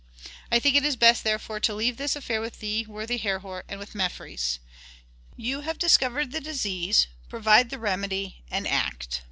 I think it is best therefore to leave this affair with thee, worthy Herhor, and with Mefres. Ye have discovered the disease, provide the remedy and act.